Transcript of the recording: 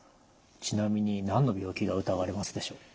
ちなみに何の病気が疑われますでしょう？